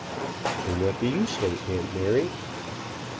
"And what do you say, aunt Mary?"